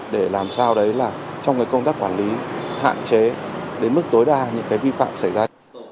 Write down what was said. để làm sao đấy là trong cái công tác quản lý hạn chế đến mức tối đa những cái vi phạm xảy ra